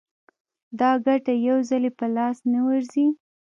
دا ګټه یو ځلي په لاس نه ورځي